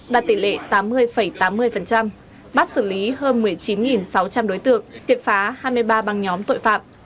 đạt tỷ lệ tám mươi tám mươi bắt xử lý hơn một mươi chín sáu trăm linh đối tượng tiệt phá hai mươi ba băng nhóm tội phạm